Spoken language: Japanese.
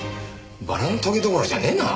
バラのトゲどころじゃねえな。